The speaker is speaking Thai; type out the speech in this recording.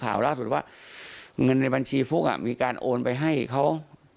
ล่าสุดว่าเงินในบัญชีฟุ๊กมีการโอนไปให้เขา